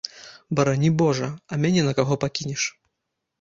Барані божа, а мяне на каго пакінеш?